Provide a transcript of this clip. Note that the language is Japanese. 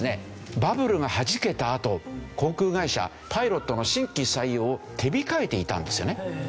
バブルがはじけたあと航空会社パイロットの新規採用を手控えていたんですよね。